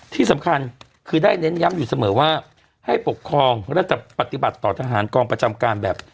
ที่สำคัญคือได้เน้นย้ำอยู่เสมอว่าให้ปกครองและจะปฏิบัติต่อทหารกองประจำการแบบ